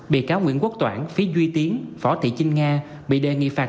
bị cáo nguyễn quốc toản phí duy tiến phó thị trinh nga bị đề nghị phạt